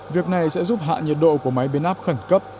việc này sẽ giúp hạ nhiệt độ của máy bế nắp khẩn cấp